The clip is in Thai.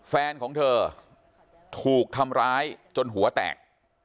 แฟนของเธอถูกทำร้ายจนหัวแตก